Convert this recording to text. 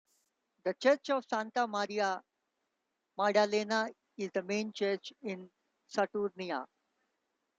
The Church of Santa Maria Maddalena is the main church in Saturnia.